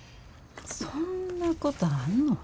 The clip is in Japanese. そんなことあんの？